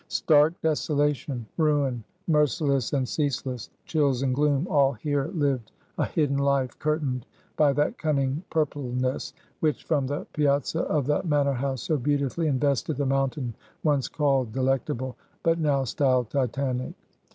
Stark desolation; ruin, merciless and ceaseless; chills and gloom, all here lived a hidden life, curtained by that cunning purpleness, which, from the piazza of the manor house, so beautifully invested the mountain once called Delectable, but now styled Titanic.